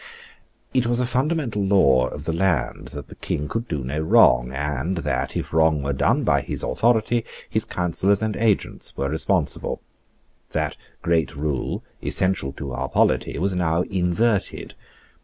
It was a fundamental law of the land that the King could do no wrong, and that, if wrong were done by his authority, his counsellors and agents were responsible. That great rule, essential to our polity, was now inverted.